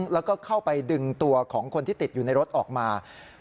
แล้วก็เข้าไปดึงตัวของคนที่ติดอยู่ในรถออกมา